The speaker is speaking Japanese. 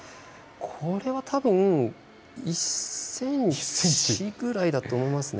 これは多分１ｃｍぐらいだと思いますね。